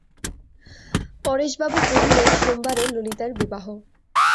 পরেশবাবু কহিলেন, সোমবারে ললিতার বিবাহ।